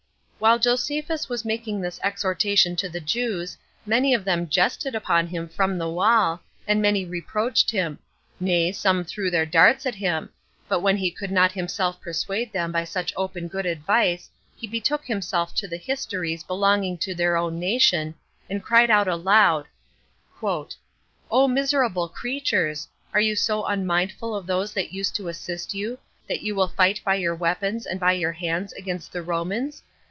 While Josephus was making this exhortation to the Jews, many of them jested upon him from the wall, and many reproached him; nay, some threw their darts at him: but when he could not himself persuade them by such open good advice, he betook himself to the histories belonging to their own nation, and cried out aloud, "O miserable creatures! are you so unmindful of those that used to assist you, that you will fight by your weapons and by your hands against the Romans?